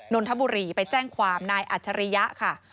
นนทบุรีไปแจ้งความนายอัจฉริยะค่ะ